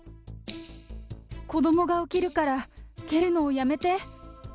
子どもが起きるから、蹴るのをやめて。